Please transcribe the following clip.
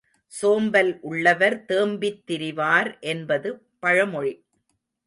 சோம்பல் உள்ளவர் தேம்பித் திரிவார் என்பது பழமொழி.